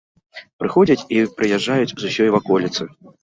Прыходзяць і прыязджаюць з усёй ваколіцы.